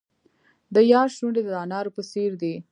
د یار شونډې د انارو په څیر دي.